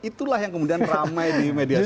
itulah yang kemudian ramai di media sosial